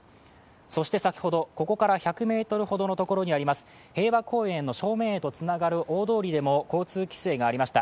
そして先ほど、ここから１００ｍほどのところにあります平和公園へとつながる大通りでも車両規制がありました。